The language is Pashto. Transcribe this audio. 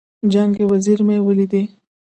جنګ وزیر مې ولیدی.